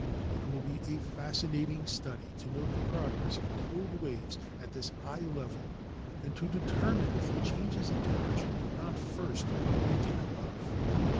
It will Ite a fascinating study to note the progress of cold waves at this high level and to determine if the changes in temperature do not first begin above.